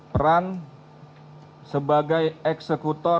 peran sebagai eksekutor